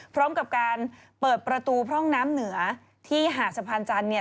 พร้อมกับการเปิดประตูพร่องน้ำเหนือที่หาดสะพานจันทร์เนี่ย